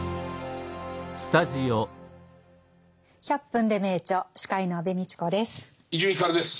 「１００分ｄｅ名著」司会の安部みちこです。